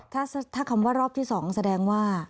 ถ้าคำว่ารอบที่๒แสดงว่า